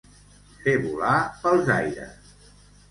Fer volar pels aires.